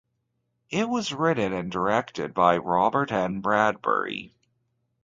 It was written and directed by Robert N. Bradbury.